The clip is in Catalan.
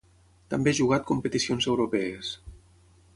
També ha jugat competicions europees.